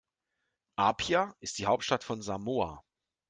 Apia ist die Hauptstadt von Samoa.